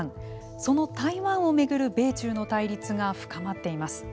その台湾を巡る米中の対立が深まっています。